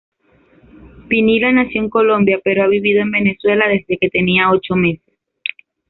Pinilla nació en Colombia, pero ha vivido en Venezuela desde que tenía ocho meses.